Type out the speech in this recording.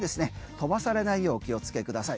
飛ばされないよう気をつけてください。